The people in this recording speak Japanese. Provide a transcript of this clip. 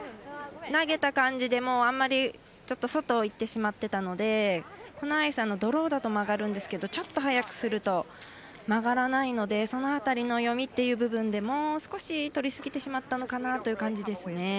投げた感じで、もうあんまり外にいってしまってたのでこのアイスはドローだと曲がるんですがちょっと速くすると曲がらないのでその辺りの読みという部分でもう少し通りすぎてしまったのかなという感じですね。